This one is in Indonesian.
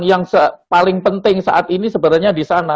yang paling penting saat ini sebenarnya di sana